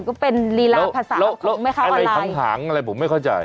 ก็เป็นรีลาภาษาของไม่เขาอะไรอะไรผมไม่เข้าใจ